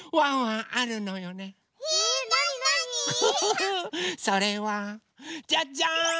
ウフフフそれはじゃじゃん！